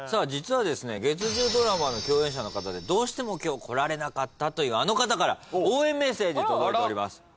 実はですね月１０ドラマの共演者の方でどうしても今日来られなかったというあの方から応援メッセージ届いております。